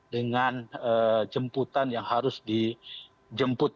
dengan jemputan yang harus dijemputkan